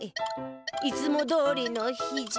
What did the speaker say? いつもどおりの日じゃ。